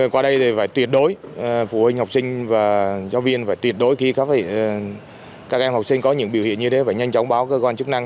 qua đây thì phải tuyệt đối phụ huynh học sinh và giáo viên phải tuyệt đối khi các em học sinh có những biểu hiện như thế và nhanh chóng báo cơ quan chức năng